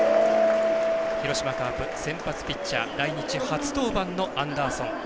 広島カープ、先発ピッチャー来日初登板のアンダーソン。